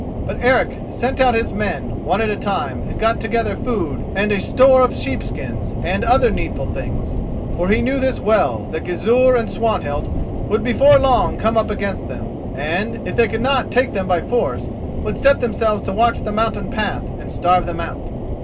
But Eric sent out his men, one at a time, and got together food and a store of sheepskins, and other needful things. For he knew this well: that Gizur and Swanhild would before long come up against them, and, if they could not take them by force, would set themselves to watch the mountain path and starve them out.